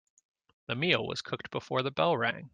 The meal was cooked before the bell rang.